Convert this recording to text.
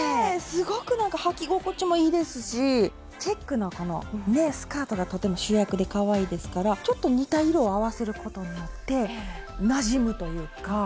すごくなんかはき心地もいいですしチェックのこのスカートがとても主役でかわいいですからちょっと似た色を合わせることによってなじむというか。